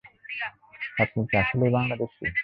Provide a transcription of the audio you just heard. আপনি কি আসলেই বাংলাদেশি?